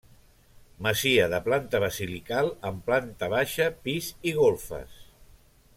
Masia de planta basilical amb plant baixa, pis i golfes.